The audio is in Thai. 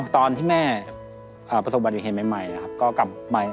ตอนที่แม่ประสบบัติอยู่เท่าไหร่